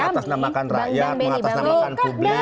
mengatasnamakan rakyat mengatasnamakan publik